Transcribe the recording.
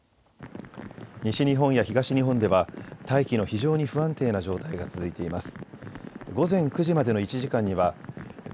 西日本や東日本では大気の非常に不安定な状態が続いています。